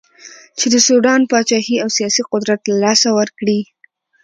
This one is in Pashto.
چې د سوډان پاچهي او سیاسي قدرت له لاسه ورکړي.